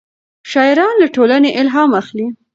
شاعران له ټولنې الهام اخلي.